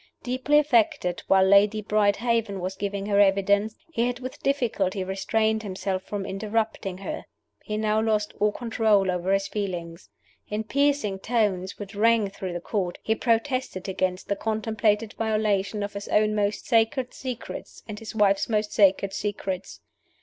Deeply affected while Lady Brydehaven was giving her evidence, he had with difficulty restrained himself from interrupting her. He now lost all control over his feelings. In piercing tones, which rang through the Court, he protested against the contemplated violation of his own most sacred secrets and his wife's most sacred secrets.